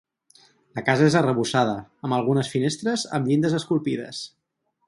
La casa és arrebossada, amb algunes finestres amb llindes esculpides.